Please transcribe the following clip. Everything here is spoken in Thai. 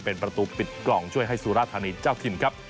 เป็นประตูปิดกล่องช่วยให้สุราธานีเจ้าถิ่นครับ